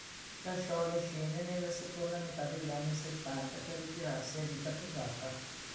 Lasciò le scene nella seconda metà degli anni settanta per ritirarsi a vita privata.